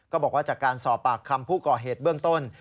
บอกว่าจากการสอบปากคำผู้ก่อเหตุเบื้องต้น